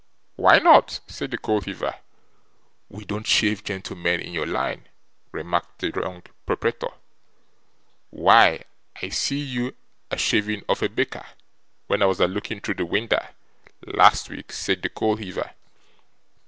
'Why not?' said the coal heaver. 'We don't shave gentlemen in your line,' remarked the young proprietor. 'Why, I see you a shaving of a baker, when I was a looking through the winder, last week,' said the coal heaver.